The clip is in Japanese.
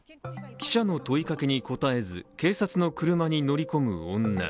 記者の問いかけに答えず警察の車に乗り込む女。